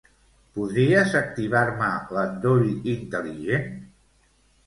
Podries activar-me l'endoll intel·ligent?